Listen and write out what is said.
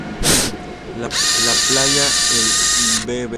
La Plata, el Bv.